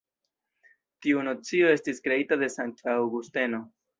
Tiu nocio estis kreita de sankta Aŭgusteno.